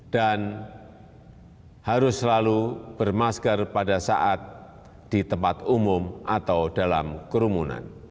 harus selalu bermasker pada saat di tempat umum atau dalam kerumunan